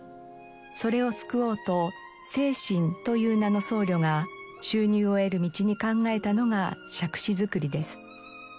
それを救おうと誓真という名の僧侶が収入を得る道に考えたのが杓子作りです。